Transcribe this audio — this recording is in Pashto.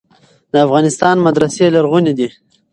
د افغانستان مدرسې لرغونې دي.